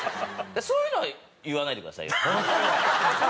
そういうのは言わないでくださいよ。